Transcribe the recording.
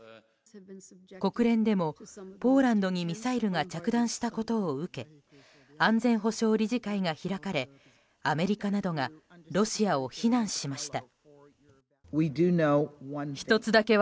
国連でもポーランドにミサイルが着弾したことを受け安全保障理事会が開かれアメリカなどがロシアを非難しました。